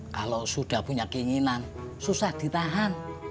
kalau sudah punya keinginan susah ditahan